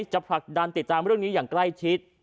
ผลักดันติดตามเรื่องนี้อย่างใกล้ชิด